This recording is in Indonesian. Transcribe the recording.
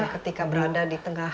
ketika berada di tengah